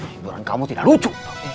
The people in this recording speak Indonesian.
hiburan kamu tidak lucu